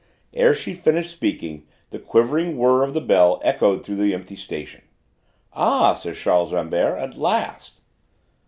Ere she finished speaking the quivering whir of the bell echoed through the empty station. "Ah!" said Charles Rambert: "at last!"